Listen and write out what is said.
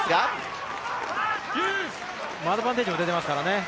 アドバンテージが出ています。